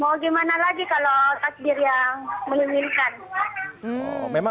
mau gimana lagi kalau takdir yang menginginkan